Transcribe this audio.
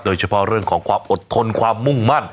โดยเฉพาะเรื่องของความอดทนความมุ่งมั่น